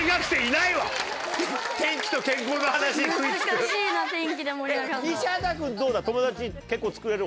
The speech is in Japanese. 難しいな天気で盛り上がるの。